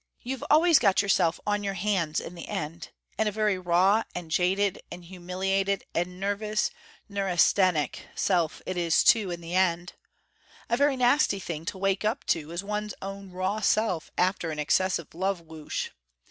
You've always got yourself on your hands in the end: and a very raw and jaded and humiliated and nervous neurasthenic self it is, too, in the end. A very nasty thing to wake up to is one's own raw self after an excessive love whoosh.